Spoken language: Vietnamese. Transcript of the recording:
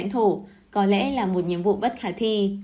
nếu không có lãnh thổ có lẽ là một nhiệm vụ bất khả thi